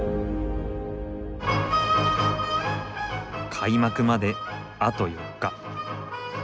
開幕まであと４日。